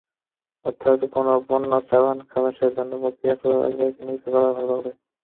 অর্থাৎ কোনো পণ্য-চালান খালাসের জন্য প্রক্রিয়া শুরুর আগে পরীক্ষা-নিরীক্ষা করা হবে।